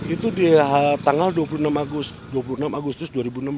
itu di tanggal dua puluh enam agustus dua ribu enam belas